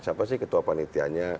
siapa sih ketua panitianya